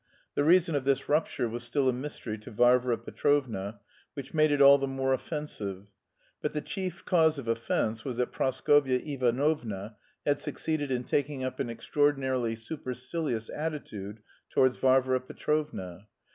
The reason of this rupture was still a mystery to Varvara Petrovna, which made it all the more offensive; but the chief cause of offence was that Praskovya Ivanovna had succeeded in taking up an extraordinarily supercilious attitude towards Varvara Petrovna.